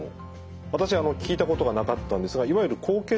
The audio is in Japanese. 私聞いたことがなかったんですがいわゆる高血圧とは違うんですか？